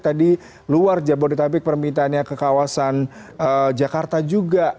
tadi luar jabodetabek permintaannya ke kawasan jakarta juga